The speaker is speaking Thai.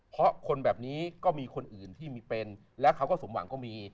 เพราะคนแบบนี้ก็มีคนอื่นที่มีเป็นและเขาก็สมหวังก็มี